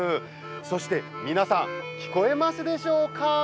そして、皆さん聞こえますでしょうか。